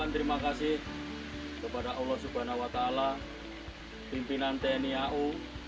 terima kasih kepada allah swt pimpinan tni au